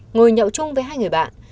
ngồi nhậu chung với hai người bạn